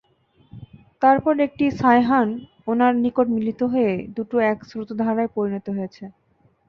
তারপর একটি সায়হান উনার নিকট মিলিত হয়ে দুটো এক স্রোতধারায় পরিণত হয়েছে।